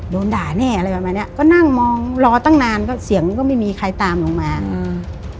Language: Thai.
โดนด่าแน่อะไรประมาณเนี้ยก็นั่งมองรอตั้งนานก็เสียงมันก็ไม่มีใครตามลงมาอืม